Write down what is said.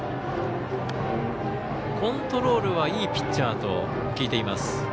コントロールはいいピッチャーと聞いています。